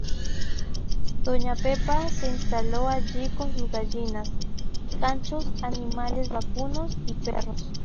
Doña Pepa se instaló allí con sus gallinas, chanchos, animales vacunos y perros.